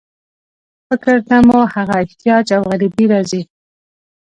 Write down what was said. فکر ته مو هغه احتیاج او غریبي راځي.